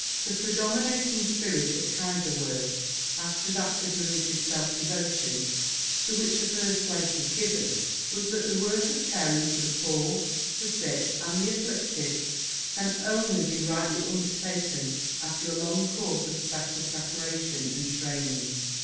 The predominating spirit at Kaiserswerth, after that of religious self devotion, to which a first place was given, was that the work of caring for the poor, the sick, and the afflicted can only be rightly undertaken after a long course of special preparation and training.